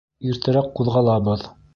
Иртәрәк ҡуҙғалабыҙ.